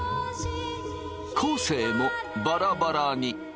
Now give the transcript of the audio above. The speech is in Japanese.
昴生もバラバラに。